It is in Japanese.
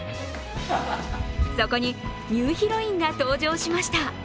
そこにニューヒロインが登場しました。